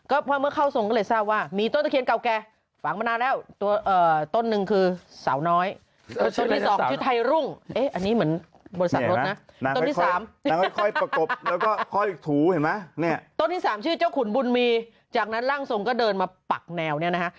แล้วก็เดินมาปักแนวนี้นะฮะ